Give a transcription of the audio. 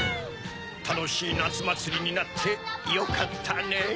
たのしいなつまつりになってよかったねぇ。